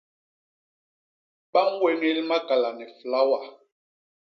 Ba ñwéñél makala ni flawa.